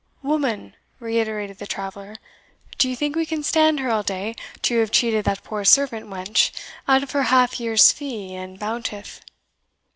"Woman," reiterated the traveller, "do you think we can stand here all day till you have cheated that poor servant wench out of her half year's fee and bountith?"